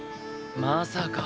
まさか。